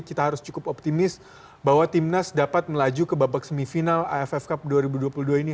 kita harus cukup optimis bahwa timnas dapat melaju ke babak semifinal aff cup dua ribu dua puluh dua ini